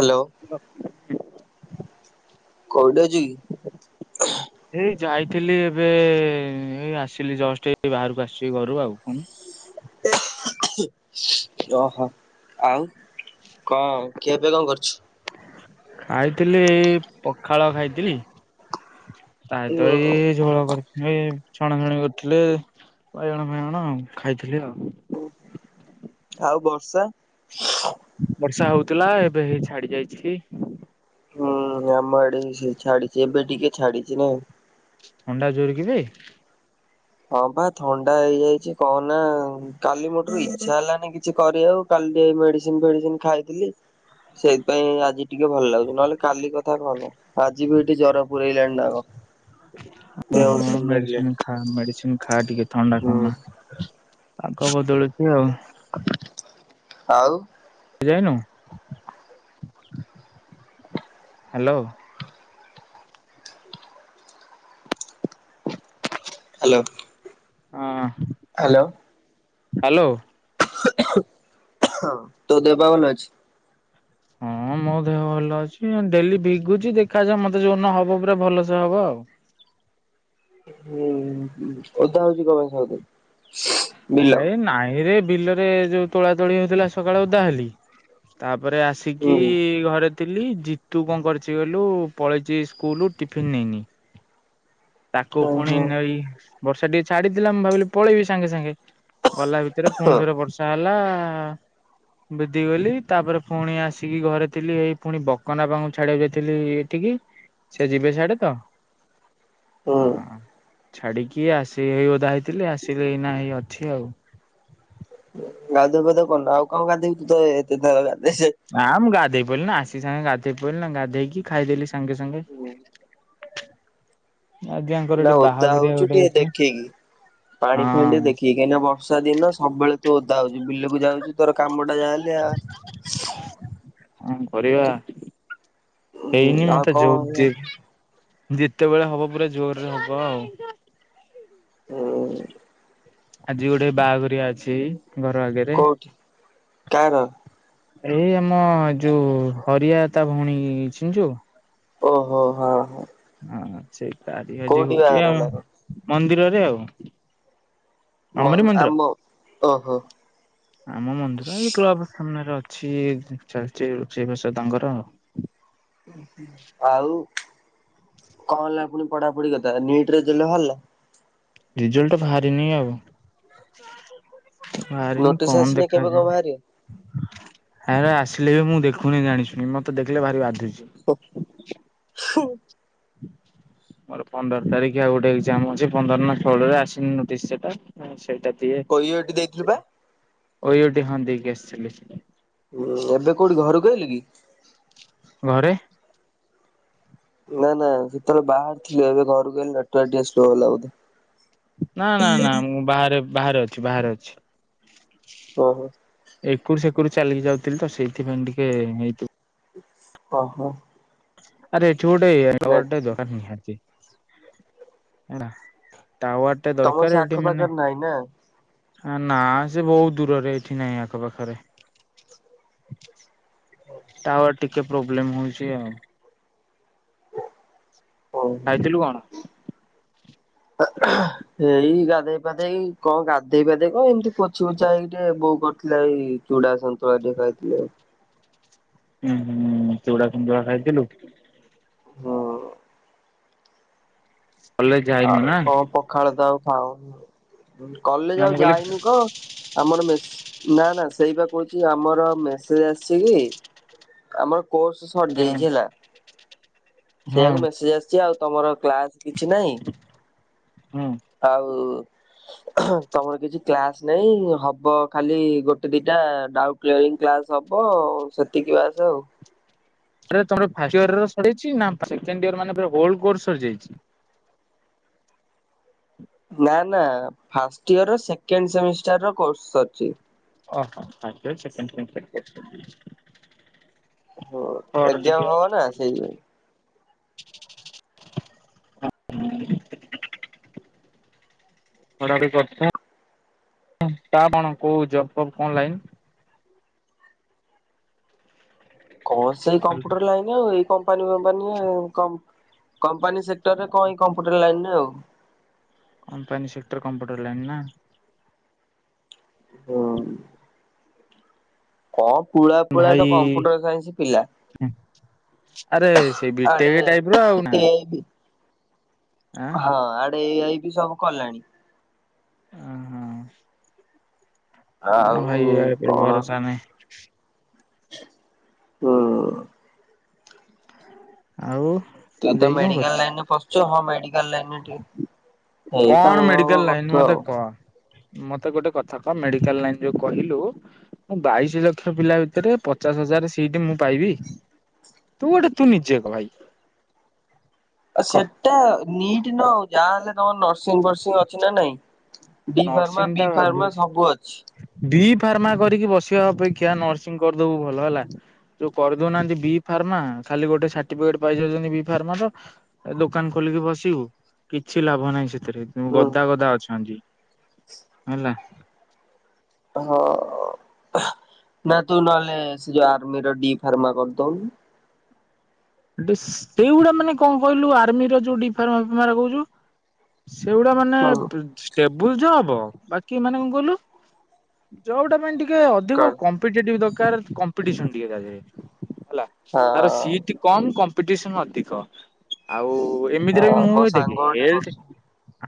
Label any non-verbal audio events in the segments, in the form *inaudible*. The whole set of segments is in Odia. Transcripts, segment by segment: ହାଲୋ କୋଉଠି ଅଛୁ କି? ଏଇ ଯାଇଥିଲି ଏବେ ଏଇ ଆସିଲି ଜଷ୍ଟ ଏଇ ବାହାରକୁ ଆସଚି ଘରୁ ଆଉ ଫୁଣି। ଓହୋ ଆଉ କଣ? ଖିଆ ପିଆ କଣ କରଛୁ? ଖାଇଥିଲି ଏଇ ପଖାଳ ଖାଇଥିଲି। ତା ଉଁ ସହିତ ଏଇ ଝୋଳ କରିଚୁ। ଏଇ ଛଣା ଛଣି କରିଥିଲେ ବାଇଗଣ ଫାଇଗଣ ଆଉ ଖାଇଥିଲି ଆଉ। ଆଉ ବର୍ଷା? ବର୍ଷା ହୋଉଥିଲା ଏବେ ହେଇ ଛାଡି ଯାଇଛି ବି। ହୁଁ ଆମ ଆଡେ ବି ସେଇ ଛାଡିଚି ଏବେ ଟିକେ ଛାଡିଚି ନା। ଥଣ୍ଡା ଜୋରେ କିବେ? ହଁ ପା ଥଣ୍ଡା ହେଇଯାଇଚି କହ ନା। କାଲି ମୋଠୁ ଇଚ୍ଛା ହେଲାନି କିଛି କରିବାକୁ କାଲି ଟିକେ ମେଡିସିନ ଫେଡିସିନ ଖାଇଥିଲି। ସେଇଥିପାଇଁ ଆଜି ଟିକେ ଭଲ ଲାଗୁଚି ନହଲେ କାଲି କଥା କହନା। ଆଜି ବି ଏଇଠି ଜର ପୁରେଇଲାଣି ନା କଣ ଦେହ ଓହୋ ଉଷୁମ ମେଡିସିନ ଲାଗିଲାଣି। ଖା ମେଡିସିନ ଖା ଟିକେ ଥଣ୍ଡା ହୁଁ କମା ପାଗ ବଦଳୁଚି ଆଉ। ଆଉ? ଯାଇନୁ ହାଲୋ। Hello hello. ହାଲୋ। ତୋ ଦେହ ପାଆ ଭଲ ଅଛି? ହଁ ମୋ ଦେହ ଭଲ ଅଛି ଡେଲି ଭିଗୁଚି ଦେଖାଯାଉ ମତେ ଯୋଉନ ହବ ପୁରା ଭଲସେ ହବ ଆଉ। ହୁଁ ହୁଁ ଓଦା ହୋଉଚି ତମ ସବୁଦିନ। ଏଇ ନାଇଁରେ ବିଲରେ ଯୋଉ ତୋଳା ତୋଳି ହୋଉଥିଲା ସକାଳ ଓଦା ହେଲି ତାପରେ ଆସି ହୁଁ ଟିକି ଘରେ ଥିଲି ଜିତୁ କଣ କରଚି କହିଲୁ ପଳେଇଚି ସ୍କୁଲୁ ଟିଫିିନ ନେଇନି। ତାକୁ ଫୁଣି ଓହୋ ନେଇ ବର୍ଷା ଟିକେ ଛାଡିଥିଲା ମୁଁ ଭାବିଲି ପଳେଇବି ସାଙ୍ଗେ ସାଙ୍ଗେ ଗଲା ଭିତରେ ଫୁଣି ହଁ ଥରେ ବର୍ଷା ହେଲା ଭିଦି ଗଲି ତାପରେ ଫୁଣି ଆସିକି ଘରେ ଥିଲି ଏଇ ପୁଣି ବକନ୍ ବାପାଙ୍କୁ ଛାଡିବାକୁ ଯାଇଥିଲି ଠିକି ସେ ଯିବେ ସିଆଡେ ତ। ହୁଁ। ଛାଡିକି ଆସି ଏଇ ଓଦା ହେଇଥିଲି ଆସିଲି ଏଇନା ହେଇ ଅଛି ଆଉ। ଗାଧୁଅ ପାଧୁଅ କରୁନୁ ଆଉ କଣ ଗଦେଇବୁ ତୁ ତ ଏତେ ଥର ଗାଧେଇସା ନା ମୁଁ ଗାଧେଇ ପଇଲି ନା ଆସିକି ସାଙ୍ଗେ ଗାଧେଇ ପଇଲି ନା ଗାଧେଇକି ଖାଇଦେଲି ସାଙ୍ଗେ ସାଙ୍ଗେ। ହୁଁ। ଆଜ୍ଞା ଙ୍କର ନା ଏଠି ଓଦା ବାହାଘରିଆ ହୋଉଚୁ ଗୋଟେ ଟିକେ ଅଛି ଦେଖିକି ପାଣି ହଁ ଫାଣି ଟିକେ ଦେଖିକି କାହିଁକି ନା ବ ବର୍ଷା ଦିନ ସବୁବେଳେ ତୁ ଓଦା ହୋଉଚୁ ବିଲକୁ ଯାଉଚୁ ତୋର କାମଟା ଯାହା ହେଲେ ଆ କଣ କରିବା ହୁଁ ହେଇନି ଆଉ ମତେ ଯୋଉ କଣ ଯିଏ ଯେତେବେଳେ ହବ ପୁରା ଜୋରରେ ହବ ଆଉ। ହୁଁ। ଆଜି ଗୋଟେ ବାହାଘରଆ ଅଛି। ଘର ଆଗରେ। କୋଉଠି କାହାର? ଏଇ ଆମ ଯୋଉ ହରିଆ ତା ଭଉଣୀ ଚିହ୍ନିଚୁ? ଓହୋ ହଁ ହଁ। ହଁ ସେଇ ତାରି ଆଜି କୋଉଠି ହୋଉଛି ବାହାଘର ଆଉ। ହେଲା କଣ? ମନ୍ଦିରରେ ଆଉ। ମ ଆମରି ମନ୍ଦିର? ଆମ ଓହୋ ଆମ ମନ୍ଦିର ଏଇ କ୍ଲବ ସାମ୍ନା ରେ ଅଛି ଚାଲିଚି ରୋଷେଇବାସ ତାଙ୍କର ଆଉ। ଆଉ କଣ ହେଲା ପୁଣି ପଢାପଢି କଥା ନିଟ୍ ରେଜାଲ୍ଟ ବାହାରିଲା? ରେଜଲ୍ଟ ବାହାରିନି ଆଉ। ବାହାରିନି ନୋଟିସ୍ କଣ ଆସିନି କେବେ କଣ ଦେଖାଯାଏ? ବାହାରିବ? ହେରା ଆସିଲେ ବି ମୁଁ ଦେଖୁନି ଜାଣିସୁଣି ମତେ ଦେଖିଲେ ଭାରି ବାଧୁଛି। *unintelligible* ମୋର ପନ୍ଦର ତାରିଖ ଆଉ ଗୋଟେ ଏକ୍ସାମ୍ ଅଛି ପନ୍ଦର ନା ଷୋଳରେ ଆସିନି ନୋଟିସ୍ ସେଟା। ହଁ ସେଇଟା ଦିଏ ଦେଇଥିଲୁ ବା। ଓୟୁଏଟି ହଁ ଦେଇକି ଆସିଥିଲି। ହୁଁ ଏବେ କୋଉଠି ଘରକୁ ଆଇଲୁ କି। ଘରେ। ନା ନା ସେତେବେଳେ ବାହାରେ ଥିଲେ ଏବେ ଘରକୁ ଆଇଲି ନେଟ୍‌ୱର୍କ ଟିକେ ସ୍ଲୋ ହେଲା ବୋଧେ। ନା ନା ନା ମୁଁ ବାହାରେ ବାହାରେ ଅଛି ବାହାରେ ଅଛି। ଓହୋ। ଏକରୁ ସେକୁରୁ ଚାଲିକି ଯାଉଥିଲି ତ ସେଇଥିପାଇଁ ଟିକେ ହେଇଥିବ। ହୁଁ ଓହୋ। ଆରେ ଏଠି ଗୋଟେ ନେଟ୍ *unintelligible* ନିହାତି ହେଲା ଟାୱାର। ଏ ତମର ସେ ଦରକାର ଏଟି ଆଖପାଖରେ ମାନେ ନାହିଁ ନା? ନା ସେ ବହୁତ ଦୂରରେ ଏଠି ନାହିଁ ଆଖ ପାଖରେ। ହୋଉ। ଟାୱାର ଟିକେ ପ୍ରୋବ୍ଲେମ୍ ହୋଉଚି ଆଉ। ଖାଇଥିଲୁ କଣ? ଓହୋ। ହେଇ ଗାଧେଇ ପାଧେଇ କଣ ଗାଧେଇ ପାଧେଇ କଣ ଏମିତି ପୋଛି ପୋଛା ହେଇକି ଟିକେ ବୋଉ କରିଥିଲା ଏଇ ଚୁଡ଼ା ସନ୍ତୁଳା ଟିକେ ଖାଇଥିଲି। ହୁଁ ହୁଁ ହୁଁ ଚୁଡ଼ା ସନ୍ତୁଳା ଖାଇଥିଲୁ। ହଁ। କଲେଜ ଯାଇନୁ ଆଉ ନା କଣ ପଖାଳ ତ ଆଉ ଖାଉନୁ ନା କଲେଜ ମୁଁ ଆଉ କହିଲି ଯାଇନୁ କହ। ଆମର ମେସ୍ ନା ନା ସେଇପା କହୁଛି ଆମର ମେସେଜ ଆସିଛି କି ଆମର କୋର୍ସ ସରିଯାଇଛି ହେଲା ହଁ ସେଇଆକୁ ମେସେଜ ଆସିଛି ଆଉ ତମର କ୍ଲାସ କିଛି ନାହିଁ। ହୁଁ। ଆଉ ତମର କିଛି କ୍ଲାସ ନାଇଁ ହବ ଖାଲି ଗୋଟେ ଦିଟା ଡାଉ କ୍ଲାରିଂ କ୍ଲାସ ହବ ସେତିକି ବାସ ଆଉ। ତମର ଫାଷ୍ଟ ଇୟର ସରିଛି ନା ସେକେଣ୍ଡ ଇଅର ମାନେ ହୋଲ୍ କୋର୍ସ ସରିଯାଇଛି? ନା ନା ଫାଷ୍ଟ ଇୟର ସେକେଣ୍ଡ ସେମିଷ୍ଟର ର କୋର୍ସ ସରିଛି। ଓ ହୋ *unintelligible* ଏକ୍ଜାମ ହବ ନା ସେଇଥିପାଇଁ। *unintelligible* *inaudible* *unintelligible* କଣ ସେଇ କମ୍ପ୍ୟୁଟର ଲାଇନ ଆଉ ଏଇ କମ୍ପାନୀଫମ୍ପାନୀ ଆ କ କମ୍ପାନୀ ସେକ୍ଟର ରେ କଣଏଇ କମ୍ପ୍ୟୁଟର ଲାଇନ ରେ ଆଉ। କମ୍ପାନୀ ସେକ୍ଟର କମ୍ପ୍ୟୁଟର ଲାଇନ୍ ନା ହଁ। କଣ ପୁଳା ପୁଳା ଭାଇ ତ କମ୍ପ୍ୟୁଟର ସାଇନ୍ସ ପିଲା। ଆରେ ସେଇ ବିଟେକ୍ ଆଡେ ଟାଇପ୍ ର ଆଉ ନା ଏ ବି ଆଁ ହଁ ଆଡେ ଏଆଇ ବି ସବୁ କଲେଣି। ଓହୋ କଣ ଭାଇ ଆଉ ୟା ଉପରେ କଣ? ଭରସା ନାହିଁ ହୁଁ। ଆଉ ତୁ ତ ଦେଇ କଣ ମେଡିକାଲ କରୁଛି? ଲାଇନରେ ପସିଛୁ ହଁ ମେଡିକାଲ ଲାଇନରେ ଟିକେ ଏଇ କାମ କଣ ଫାମ ମେଡିକାଲ ଲାଇନ କରୁଥିବ ଆଉ। ମତେ କହ ମତେ ଗୋଟେ କଥା କହ ମେଡିକାଲ ଲାଇନ ଯୋଉ କହିଲୁ ମୁଁ ବାଇଶି ଲକ୍ଷ ପିଲା ଭିତରେ ପଚାଶ ହଜାର ସିଟ ମୁଁ ପାଇବି? ତୁ ଗୋଟେ ତୁ ନିଜେକହ ଭାଇ। ଆ କହ ସେଟା ନିଟ୍ ନଉ ଯାହାହଲେ ତମର ନର୍ସିଂ ଫର୍ସିଂ ଅଛି ନା ନାଇଁ। ଡି ଫାର୍ମା ବି ଫାର୍ମା ସବୁ ଅଛି। ଡ଼ି ଫାର୍ମା କରିକି ବସିବା ଅପେକ୍ଷା ନର୍ସିଂ କରିଦବୁ ଭଲ ହେଲା। ଯୋଉ କରିଦଉନାହାନ୍ତି ବି ଫାର୍ମା ଖାଲି ଗୋଟେ ସାର୍ଟିଫିକେଟ ପାଇ ଯାଉଛନ୍ତି ବି ଫାର୍ମା ର। ଏ ଦୋକାନ ଖୋଲିକି ବସିବୁ, କିଛି ଲାଭ ନାହିଁ ସେଥିରେ ହୁଁ ଗଦା ଗଦା ଅଛନ୍ତି। ହେଲା। ହଁ ନା ତୁ ନହେଲେ ସେ ଯୋଉ ଆର୍ମିର ଡି ଫାର୍ମା କରିଦଉନୁ। ଡିସ୍କ ସେଗୁଡା ମାନେ କଣ କହିଲୁ ଆର୍ମି ର ଯୋଉ ଡି ଫାର୍ମା ଫାର୍ମା କହୁଛୁ। ସେଗୁଡା ମାନେ ହୁଁ। ପିଚ୍ ଟେବୁଲ ଜ ହବ ବାକି ମାନେ କଣ କହିଲୁ ଜଉଟା ପାଇଁ ଟିକେ ଅଧିକ କଣ କମ୍ କମ୍ପିଟିଟିଭ୍ ଦରକାର କମ୍ପିଟିସନ୍ ଟିଏ ଦାହେରେ ହେଲା। ହଁ ତାର ସିଏ କମ୍ କମ୍ପିଟିସନ ଅଧିକ ଆଉ ହଁ ଏମିତିରେ ବି ମୋ ମୁଁ ସାଙ୍ଗ ଦେବି ଗୋଟେ ହେଲଥ୍ କରୁଛି।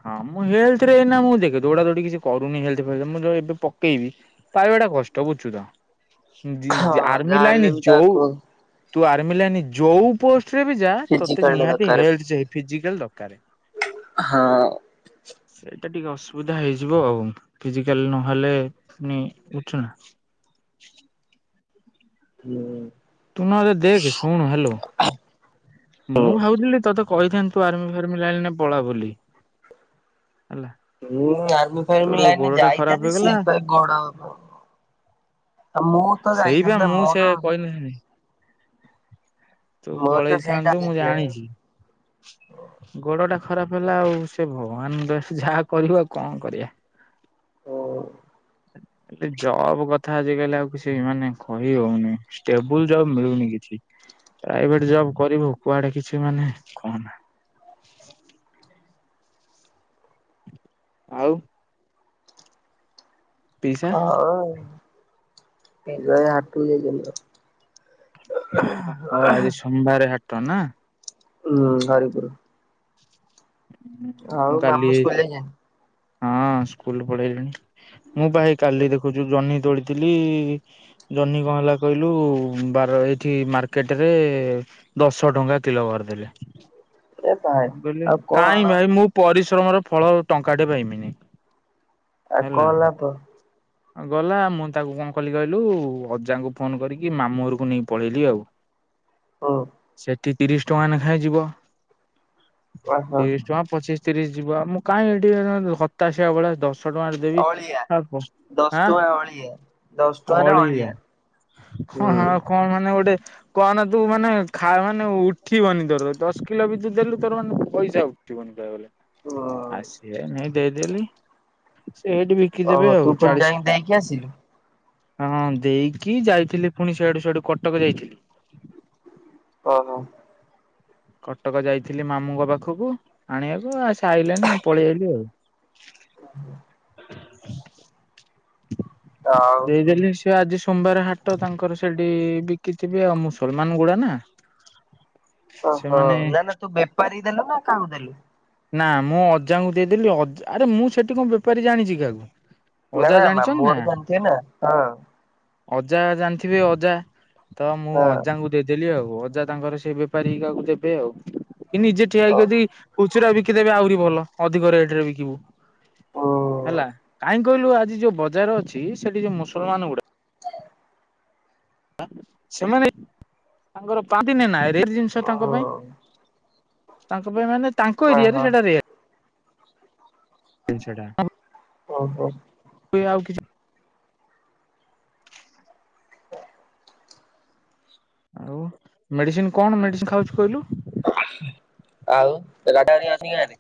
ହଁ ମୁଁ ହେଲଥରେ ଏ ନା ମୁଁ ଦେଖେ ଦୌଡା ଦୌଡି କିଛି କରୁନି ହେଲଥ *unintelligible* ମୁଁ ଏବେ ପକେଇବି। ପାଇବା ଟା କଷ୍ଟ ବୁଝଛୁ ତ, ହଁ ଆର୍ମି ଲାଇନ ଯାହାହେଲେ ବି ଯଉ ତାକୁ ତୁ ଆର୍ମି ଲାଇନ ଯୋଉ ପୋଷ୍ଟରେ ବି ଯା ତତେ ଫିଜିକାଲଟା ନିହାତିିି ଦରକାର ହେଲଥ ଫିଜିକାଲ୍ ଦରକାର। ହଁ। ସେଇଟା ଟିକେ ଅସୁବିଧା ହେଇଯିବ ଆଉ ଫିଜିକାଲ ନହେଲେ ପୁଣି ବୁଝୁଛୁ ନା। ହୁଁ। ତୁ ନ ହେଲେ ଦେଖେ ଶୁଣୁ ହ୍ୟାଲୋ ମୁଁ ଭାବୁଥିଲି ତୋତେ କହିଥାନ୍ତି ତୁ ଆର୍ମି ଫାର୍ମି ଲାଇନରେ ପଳା ବୋଲି। ଆଲା ହୁଁ ଆର୍ମି ଫାର୍ମି ଲାଇନ ଖରାପ ଯାଇଥାନ୍ତି ସେ ହେଇଗଲା *unintelligible* ମୁଁ ତ ସେଇବା ଯାଇଥାନ୍ତି ନା ମୁଁ ମୋର *unintelligible* ତୁ ମୋର ତ ସେଇଟା ପଳେଇଥାନ୍ତୁ ମୁଁ ଜାଣିଛି। *unintelligible* ଗୋଡ ଟା ଖରାପ ହେଲା ଆଉ ସେ ଭଗବାନ *unintelligible* ଯାହା କରିବ ଆଉ କଣ କରିବା। ହୁଁ। ଏ ଜବ୍ କଥା ଆଜିକାଲି ଆଉ କିଛି ମାନେ କହି ହଉନି ଷ୍ଟେବୁଲ୍ ଜଵ୍ ମିଳୁନି କିଛି। ପ୍ରାଇଭେଟ ଜବ୍ କରିବୁ କୁଆଡେ କିଛି ମାନେ କହନା। ଆଉ? ପିଇସା ହଁ *unintelligible* ହଉ ଆଜି ସୋମବାରେ ହାଟ ନା। ହୁଁ ହରିପୁରୁ। ମୁଁ ଆଉ କାଲି ମାମୁଁ ସ୍କୁଲ ଯାଇଚନ୍ତି? ହଁ ସ୍କୁଲ ପଳେଇଲେଣି। ମୁଁ ପା ହେଇ କାଲି ଦେଖୁଚୁ ଜହ୍ନି ତୋଳିଥିଲି ଜହ୍ନି କଣ ହେଲା କହିଲୁ ବାର ଏଇଠି ମାର୍କେଟରେ ଦଶ ଟଙ୍କା କିଲୋ କରିଦେଲେ। ଏ ଭାଇ ମୁଁ କହିଲି ଆଉ କାଇଁ କଣ ଭାଇ ମୁଁ ପରିଶ୍ରମର ଫଳ ଟଙ୍କା ଟେ ପାଇମିନେଇଁ। ଆଉ କଣ ହେଲା ତ ଗଲା ମୁଁ ତାକୁ କଣ କଲି କହିଲୁ ଅଜାଙ୍କୁ ଫୋନ କରିକି ମାମୁଁ ଘରକୁ ନେଇକି ପଳେଇଲିି ଆଉ। ହଁ। ସେଠି ତିରିଶ ଟଙ୍କା ନେଖାଏ ଯିବ ଓହୋ ତିରିଶ ଟଙ୍କା ପଚିଶ ତିରିଶ ଯିବ। ମୁଁ କାହିଁ ଏ ଟିେ ହତାସିଆ ଭଳିଆ ଦଶ ଟଙ୍କାରେ ଦେବି ଅଳିଆ ଆ ଦଶ ଟଙ୍କା ଅଳିଆ ଦଶ ଟଙ୍କାରେ ଅଳିଆ। ହଁ ହୁଁ। ହଁ କଣ ମାନେ ଗୋଟେ କହନ ତୁ ମାନେ ଖା ମାନେ ଉଠିବନି ତୋର ଦଶ କିଲୋ ବି ତୁ ଦେଲୁ ତୋର ମାନେ ପଇସା ଆବ ଉଠିବନି କହିବାକୁ ଗଲେ। ହଁ। ନାଇ ଦେଇଦେଲି ସେଇଠି ବି ଓହୋ ତୁ କଣ ଯାଇକି ଦେଇକି ଆସିଲୁ? ହଁ ଦେଇକି ଯାଇଥିଲି ପୁଣି ସିଆଡୁ ସିଆଡୁ କଟକ ଯାଇଥିଲି। ଓ ହୋ। କଟକ ଯାଇଥିଲି ମାମୁଙ୍କ ପାଖକୁ ଆଣିବାକୁ ଆ ସେ ଆଇଲାନି ପଳେଇ ଆଇଲୁ ଆଉ। ହଁ। ଆଉ ଦେଇଦେଲି ସେ ସେ ଆଜି ସୋମବାର ହାଟ ତାଙ୍କର ସେଠି ବିକିଥିବେ ଆଉ ମୁସଲମାନ ଗୁଡା ନା। ଓହୋ ସେମାନେ ନା ନା ତୁ ବେପାରୀ ଦେଲୁ ନା କାହାକୁ ଦେଲୁ? ନା ମୁଁ ଅଜାଙ୍କୁ ଦେଇଦେଲି ଅ ଆରେ ମୁଁ ସେଠି କଣ ବେପାରୀ ଜାଣିଚି କାହାକୁ? ନା ଅଜା ନା ଜାଣିଛନ୍ତି ମାମୁଁ ନା ଘର ଜାଣିଥିବେ ନା ହଁ। ଅଜା ଜାଣିଥିବେ ଅଜା ତ ମୁଁ ହଁ ଅଜାଙ୍କୁ ଦେଇଦେଲି ଆଉ ଅଜା ତାଙ୍କର ସେ ବେପାରୀ କାକୁ ଦେବେ ଆଉ। କି ନିଜେ ଠିଆ ହେଇକ ହଁ ଯଦି ଖୁଚୁରା ବିକିଦେବେ ଆହୁରି ଭଲ ଅଧିକା ରେଟ ରେ ବିକିବୁ। ଉଁ ହେଲା କାହିଁ କହିଲୁ ଆଜି ଯୋଉ ବଜାର ଅଛି ସେଠି ଯୋଉ ମୁସଲମାନ ଗୁଡା ସେମାନେ ତାଙ୍କର ପାନ୍ତିନେ ନା ରେ ଜିନିଷ ତାଙ୍କ ଉଁ ପାଇଁ। ତାଙ୍କ ପାଇଁ ମାନେ ତାଙ୍କ ଏରିଆ ରେ ଓହୋ ସେଟା ରେ *unintelligible* ଓୁଁ ହୁ। ହୁଏ ଆଉ କିଛି ହଁ ଆଉ ମେଡ଼ିସିନ୍ କଁ ମେଡ଼ିସିନ୍ ଖାଉଚୁ କହିଲୁ? ଆଉ ଏ ଗାଡା ହେରିଆ ଆସି ଗାହାନ୍ତି?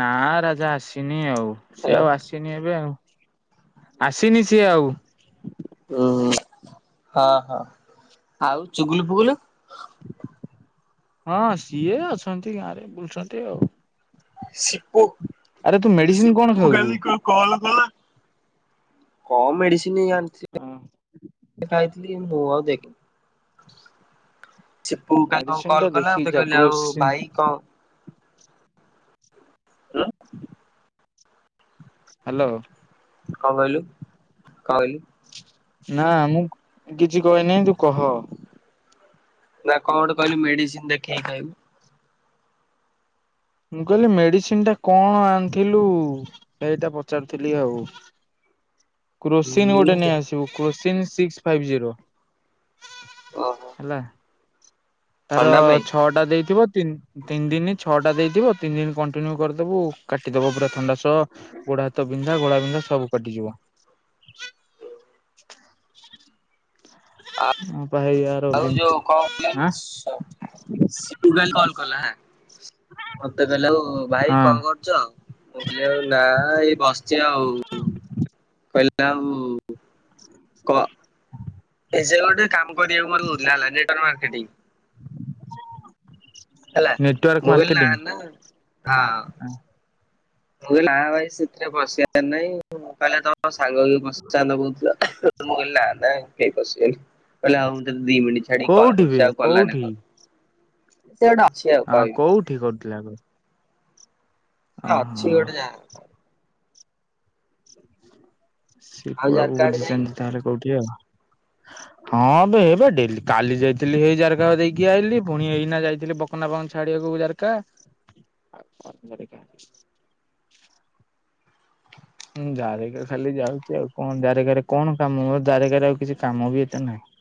ନାଁ ରାଜା ଆସିନି ଆଉ ସିଏ ହ୍ୟାଲୋ ଆଉ ଆସି ତିନି ଏବେ ଆଉ ଆସିନି ସିଏ ଆଉ। ଉଁ ହ ହ ଆଉ ଚୁଗୁଲ ଫୁଗୁଲୁ? ହଁ ସିଏ ଅଛନ୍ତି ଗାଁରେ ବୁଲୁଚନ୍ତି ଆଉ। ସିପୁ ଆରେ ତୁ ମେଡିସିନ କଣ ସିପୁ ଖାଉଛୁ? ଗାଲି କ ହ ମେଡ଼ିସିନ୍ ଆଣିଥି ହଁ *inaudible* ଖାଇଥିଲି। କି ମୁଁ ଆଉ ଦେଖେ ଛିପୁ କାଲ୍ହୁଁ ମେଡିସିନ ଟା କଲ କଲା ଦେଖିକି ମତେ ଯା କହିଲେ ଆଉ କ୍ରୋସିନ ଭାଇ କ ଉଁ ହାଲୋ। କଁ କହିଲୁ କହିଲୁ। ନାଁ ମୁଁ କିଛି କହିନି ତୁ କହ। ନାଁ କଁ ଅଟେ କହିଲୁ ମେଡ଼ିସିନ୍ ଦେଖେଇ ଖାଇଲୁ? ମୁଁ କହିଲି ମେଡ଼ିସିନ୍ ଟା କଣ ଆଣିଥିଲୁ? ଏଇଟା ପଚାରୁଥିଲି ଆଉ। କ୍ରୋସିନ୍ ହୁଁ ଗୋଟେ ନେଇ ଦେ- ଆସିବୁ କ୍ରୋସିନ୍ ସିକ୍ସ ଫାଇପ୍ ଜିରୋ। ଓହୋ ହେଲା ତାର ଥଣ୍ଡା ପାଇଁ ଛଅ ତା ଦେଇଥିବ ତିନ୍ ତିିନ ଦିନି ଛଅଟା ଦେଇ ଥିବ ତିନି ଦିନ କଣ୍ଟିନ୍ୟୁ କରିଦବୁ କାଟିଦବ ପୁରା ଥଣ୍ଡା ସହ ଗୋଡ଼ ହାତ ବିନ୍ଧା ଘୋଳା ବିନ୍ଧା ସବୁ କାଟିଯିବ। ହଁ ପା ହେୟା ଆଉ ଯୋଉ କଣ *unintelligible* ସ ସିପୁ କାଲି କଲ କଲା ହେଁ ମତେ କହିଲା ଆଉ ଭାଇ କଣ ହଁ କରୁଚ? ମୁଁ କହିଲି ଆଉ ନାଁ ଏଇ ବସଚି ଆଉ କହିଲା ଆଉ କ ଏ ସେ ଗୋଟେ କାମ କରିବାକୁ ମୋତେ କହୁଥିଲା ହେଲା ନେଟୱାର ମାର୍କେଟିଙ୍ଗ। ହେଲା ନେଟୱାର୍କ ମୁଁ କହିଲି ନାଁ ମାର୍କେଟିଂ ନାଁ ହଁ। ମୁଁ କହିଲି ନାଁ ଭାଇ ସେଥିରେ ପସିବାର ନାହିଁ କହିଲା ତମ ସାଙ୍ଗ କିଏ ପଶଚାନ୍ତ କହୁଥୁଲ। ମୁଁ କହିଲି ନାଁ ନାଁ କେହି ପଶିବେନି। କହିଲା ଇଉ ମୁଁ ତତେ ଦି ମିଣ୍ଟି ଛାଡିି଼କି କଲ୍ କୋଉଠି ବେ କରୁଚି ଆଉ କଲାନେଇ କୋଉଠି କଲ। ସେ ଅଟେ ଅଛି ଆଉ କହିବି କଣ? ଠି କରୁଥୁଲା ଆଗ। ହଁ ଅଛି ଗୋଟେ ଯା ଆଉ ଶିଳ୍ପ ବାବୁ ଝରକା ଆଡେ ଯାଇନୁ? ବୁଝିଚନ୍ତି ତାହେଲେ କୋଉଠି ଆଉ। *inaudible* ହଁ ବେ ଏବେ ଡେଲି କାଲି ଯାଇଥିଲି ହେଇ ଜାରକା ଦେଇକି ଆଇଲି ଫୁଣି ଏଇନା ଯାଇଥିଲି ବ କୁନାପାଙ୍କୁ ଛାଡ଼ିବାକୁ ଜାରକା। *inaudible* ଆଉ କନ୍ କରିବା? ହୁଁ ଜାରକା ଖାଲି ଯାଉଚି ଆଉ କଣ ଜାରକାରେ କଣ କାମ ଓ ଜାରକାରେ ଆଉ କିଛି କାମ ବି ଏତେ ନାହିଁ।